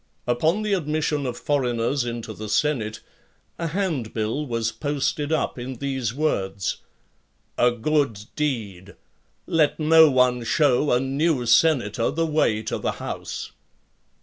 Upon the admission of foreigners into the senate, a hand bill was posted up in these words: "A good deed! let no one shew a new senator the way to the house."